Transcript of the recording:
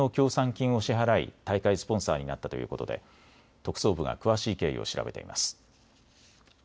金を支払い大会スポンサーになったということで特捜部が詳しい経緯を調べています。